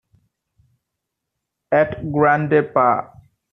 At Grande Pa!